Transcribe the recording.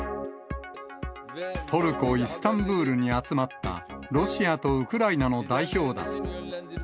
トルコ・イスタンブールに集まったロシアとウクライナの代表団。